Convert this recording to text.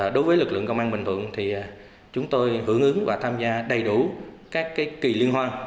đối với lực lượng công an bình thuận thì chúng tôi hưởng ứng và tham gia đầy đủ các kỳ liên hoan